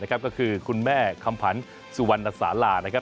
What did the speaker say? ก็คือคุณแม่คำผันสุวรรณสารานะครับ